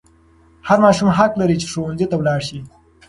هر ماشوم حق لري چې ښوونځي ته ولاړ شي.